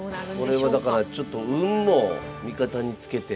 これはだからちょっと運も味方に付けて。